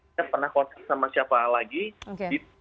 kita pernah kontak sama siapa lagi di test lagi